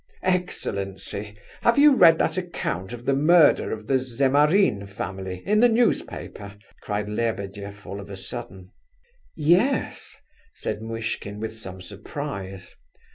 "Excellency! Have you read that account of the murder of the Zemarin family, in the newspaper?" cried Lebedeff, all of a sudden. "Yes," said Muishkin, with some surprise.